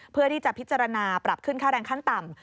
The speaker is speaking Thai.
เพื่อที่จะพิจารณาปรับขึ้นค่าแรงขั้นต่ำ